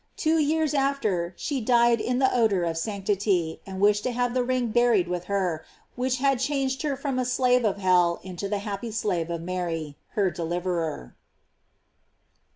Two years after she died in the odor of sanctity, and wished to have the ring buried with her, which had changed her from a slave of hell into the happy slave of Mary, her deliverer.